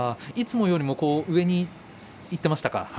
いつもより上にいっていましたか。